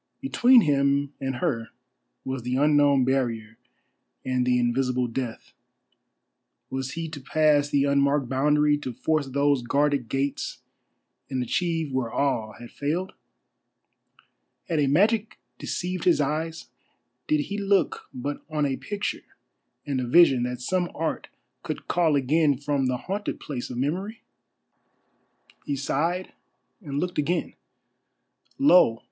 Between him and her was the unknown barrier and the invisible Death. Was he to pass the unmarked boundary, to force those guarded gates and achieve where all had failed? Had a magic deceived his eyes? Did he look but on a picture and a vision that some art could call again from the haunted place of Memory? He sighed and looked again. Lo!